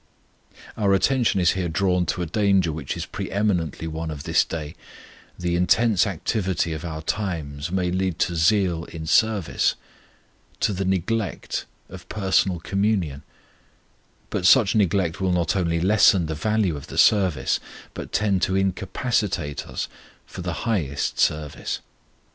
Our attention is here drawn to a danger which is pre eminently one of this day: the intense activity of our times may lead to zeal in service, to the neglect of personal communion; but such neglect will not only lessen the value of the service, but tend to incapacitate us for the highest service.